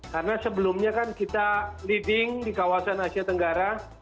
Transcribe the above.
karena sebelumnya kan kita leading di kawasan asia tenggara